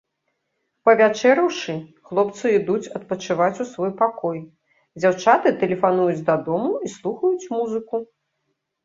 Павячэраўшы, хлопцы ідуць адпачываць у свой пакой, дзяўчаты тэлефануюць дадому і слухаюць музыку.